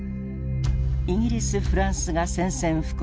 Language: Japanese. イギリスフランスが宣戦布告。